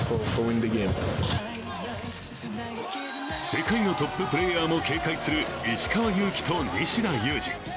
世界のトッププレーヤーも警戒する石川祐希と西田有志。